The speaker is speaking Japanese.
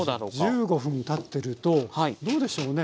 １５分たってるとどうでしょうね